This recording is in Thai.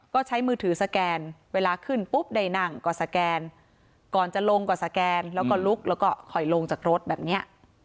ก็ใช้มือถือสแกนเวลาขึ้นปุ๊บได้นั่งก็สแกนก่อนจะลงก็สแกนแล้วก็ลุกแล้วก็ค่อยลงจากรถแบบนี้